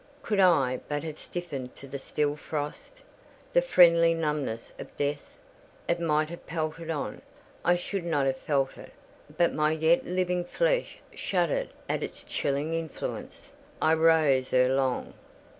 Could I but have stiffened to the still frost—the friendly numbness of death—it might have pelted on; I should not have felt it; but my yet living flesh shuddered at its chilling influence. I rose ere long.